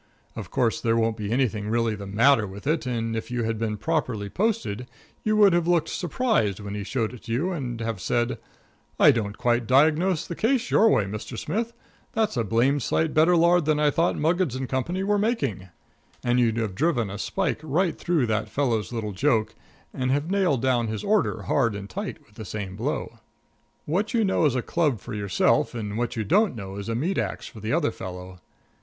Of course, there won't be anything really the matter with it, and if you had been properly posted you would have looked surprised when he showed it to you and have said: "I don't quite diagnose the case your way, Mr. Smith; that's a blamed sight better lard than I thought Muggins & Co. were making." And you'd have driven a spike right through that fellow's little joke and have nailed down his order hard and tight with the same blow. What you know is a club for yourself, and what you don't know is a meat ax for the other fellow.